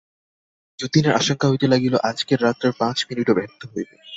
যতীনের আশঙ্কা হইতে লাগিল, আজকের রাত্রের পাঁচ মিনিটও ব্যর্থ হইবে।